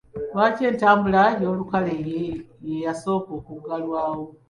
Lwaki entambula ey'olukale ye yasooka okuggalwa?